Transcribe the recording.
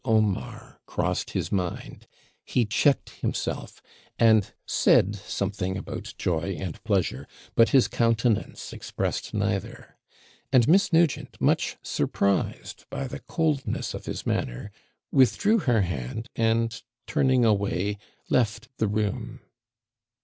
OMAR crossed his mind; he checked himself, and said something about joy and pleasure, but his countenance expressed neither; and Miss Nugent, much surprised by the coldness of his manner, withdrew her hand, and, turning away, left the room.